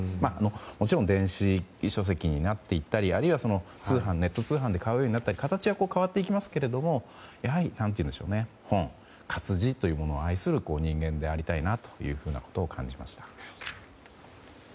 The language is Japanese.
もちろん電子書籍になっていったりあるいはネット通販で買うようになったり形は変わっていきますがやはり、本、活字を愛する人間でありたいなと感じました。